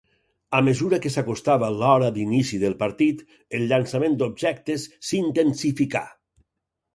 A mesura que s'acostava l'hora d'inici del partit, el llançament d'objectes s'intensificà.